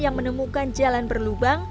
yang menemukan jalan berlubang